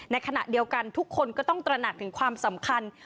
ในขณะเดียวกันทุกคนก็ต้องตระหนักถึงความสำคัญ